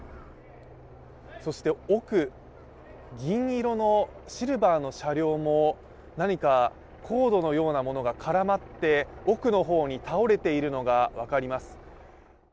そして奥、銀色のシルバーの車両も何かコードのようなものが絡まって奥の方に倒れているのが分かります。